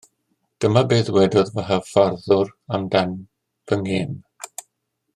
Dyma be ddwedodd fy hyfforddwr amdan fy ngêm